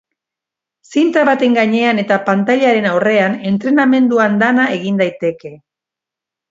Zinta baten gainean eta pantailaren aurrean, entrenamendu andana egin daiteke.